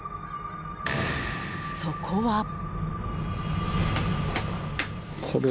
そこは。